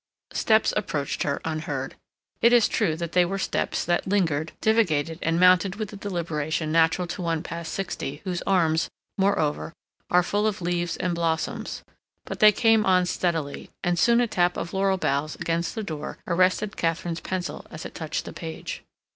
Steps approached her unheard. It is true that they were steps that lingered, divagated, and mounted with the deliberation natural to one past sixty whose arms, moreover, are full of leaves and blossoms; but they came on steadily, and soon a tap of laurel boughs against the door arrested Katharine's pencil as it touched the page.